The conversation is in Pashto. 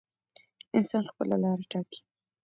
انسان خپله لاره ټاکي.